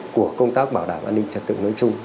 của công tác bảo đảm an ninh trật tự nói chung